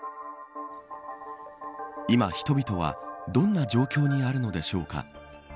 今、人々はどんな状況にあるのでしょうか。